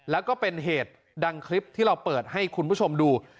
แล้วก็เป็นเหตุดังคลิปที่เราเปิดให้คุณผู้ชมดู